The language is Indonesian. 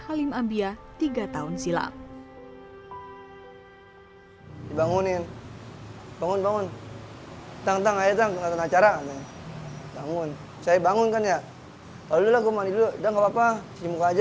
hal yang sama jadi avec sesuatu karena semangat saya